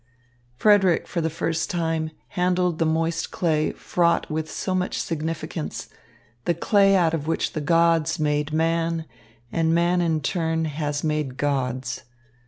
Frederick for the first time handled the moist clay fraught with so much significance, the clay out of which the gods made man and man in turn has made gods.